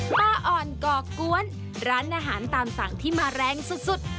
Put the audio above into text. ป้าอ่อนก่อกวนร้านอาหารตามสั่งที่มาแรงสุด